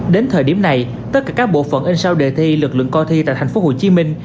đến thời điểm này tất cả các bộ phận in sau đề thi lực lượng coi thi tại thành phố hồ chí minh